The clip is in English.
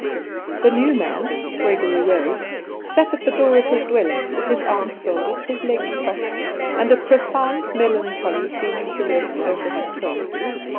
The new man, Gregory Rose, sat at the door of his dwelling, his arms folded, his legs crossed, and a profound melancholy seeming to rest over his soul.